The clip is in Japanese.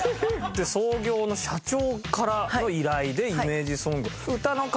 創業の社長からの依頼でイメージソングを。